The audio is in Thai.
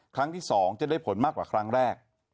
ครั้งที่๒จะได้ผลมากกว่าครั้งแรก